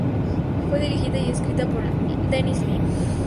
Fue dirigida y escrita por Dennis Lee.